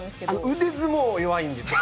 腕相撲は弱いんですよ。